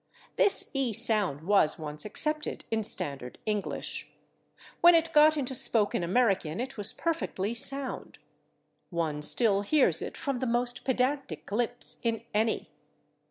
This /e/ sound was once accepted in standard English; when it got into spoken American it was perfectly sound; one still hears it from the most pedantic lips in /any